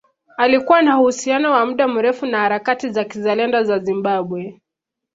Alikuwa na uhusiano wa muda mrefu na harakati za kizalendo za Zimbabwe